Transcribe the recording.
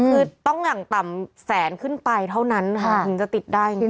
คือต้องอย่างต่ำแสนขึ้นไปเท่านั้นค่ะถึงจะติดได้จริง